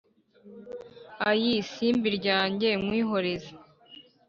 Ayi simbi ryanjye nkwihoreze